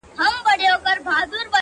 د سترگو د ملا خاوند دی-